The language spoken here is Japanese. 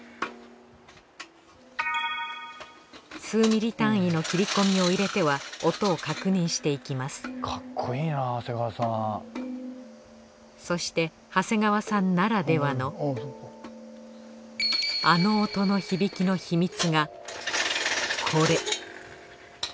数ミリ単位のそして長谷川さんならではのあの音の響きの秘密がこれ